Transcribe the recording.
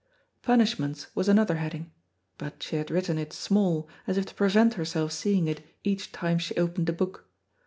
"Punishments" was another heading, but she had written it small, as if to prevent herself seeing it each time she opened the book.